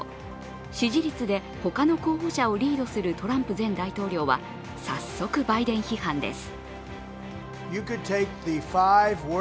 支持率で他の候補者をリードするトランプ前大統領は、早速バイデン批判です。